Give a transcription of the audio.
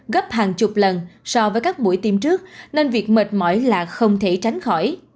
gấp hàng chục lần so với các buổi tiêm trước nên việc mệt mỏi là không thể tránh khỏi